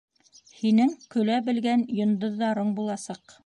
Һинең көлә белгән йондоҙҙарың буласаҡ!